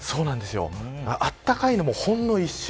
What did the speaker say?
暖かいのもほんの一瞬。